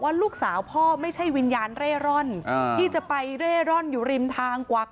ลูกสาวพ่อไม่ใช่วิญญาณเร่ร่อนที่จะไปเร่ร่อนอยู่ริมทางกวัก